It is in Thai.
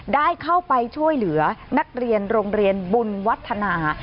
ได้เข้าไปช่วยเหลือนักเรียนโรงเรียนบุญวัฒนา